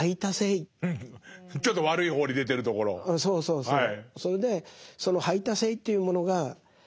そうそうそう。